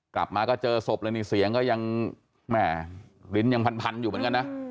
กลับมาก็เจอศพเลยนี่เสียงก็ยังแหม่ลิ้นยังพันอยู่เหมือนกันนะ